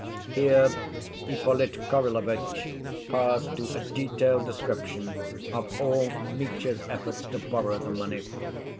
" Here Ippolit Kirillovitch passed to a detailed description of all Mitya's efforts to borrow the money.